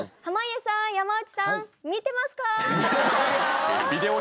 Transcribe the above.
濱家さん山内さん見てますか？